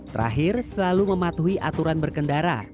terakhir selalu mematuhi aturan berkendara